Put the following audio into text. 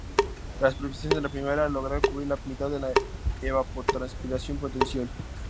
Las precipitaciones de la primavera logran cubrir la mitad de la evapotranspiración potencial.